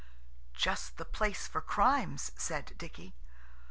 "Just the place for crimes," said Dicky.